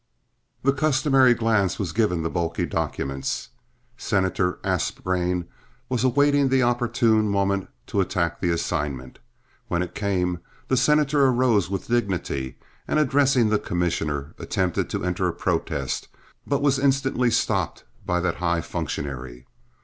The customary glance was given the bulky documents. Senator Aspgrain was awaiting the opportune moment to attack the assignment. When it came, the senator arose with dignity and, addressing the commissioner, attempted to enter a protest, but was instantly stopped by that high functionary.